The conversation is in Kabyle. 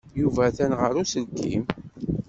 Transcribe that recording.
Yuba atan ɣer uselkim.